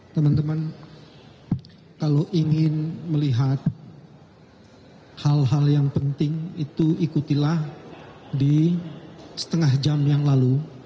teman teman kalau ingin melihat hal hal yang penting itu ikutilah di setengah jam yang lalu